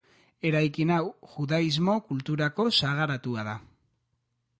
Eraikin hau judaismo kulturako sagaratua da.